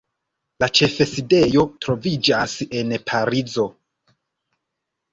La ĉefsidejo troviĝas en Parizo.